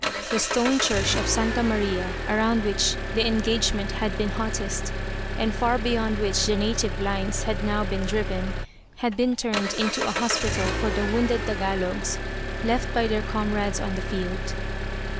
The stone church of Santa Maria, around which the engagement had been hottest, and far beyond which the native lines had now been driven, had been turned into a hospital for the wounded Tagalogs left by their comrades on the field.